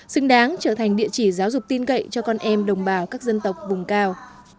xứng đáng trở thành địa chỉ giáo dục tin cậy cho con em đồng bào các dân tộc vùng cao